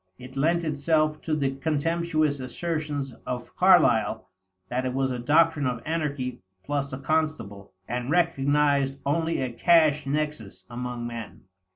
It lent itself to the contemptuous assertions of Carlyle that it was a doctrine of anarchy plus a constable, and recognized only a "cash nexus" among men.